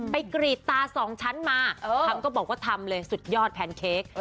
กรีดตาสองชั้นมาคำก็บอกว่าทำเลยสุดยอดแพนเค้ก